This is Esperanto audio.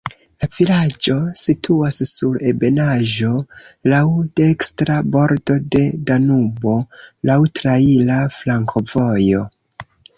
La vilaĝo situas sur ebenaĵo, laŭ dekstra bordo de Danubo, laŭ traira flankovojo.